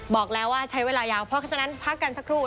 บอกแล้วว่าใช้เวลายาวเพราะฉะนั้นพักกันสักครู่